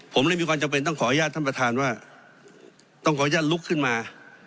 ผมเลยมีความจำเป็นต้องขออนุญาตท่านประธานว่าต้องขออนุญาตลุกขึ้นมา